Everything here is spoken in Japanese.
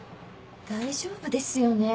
大丈夫ですよね？